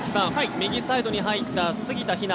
右サイドに入った杉田妃和